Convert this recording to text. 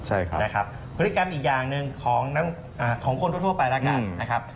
ใช่ครับนะครับพฤติกรรมอีกอย่างหนึ่งของคนทั่วไปแล้วกันนะครับ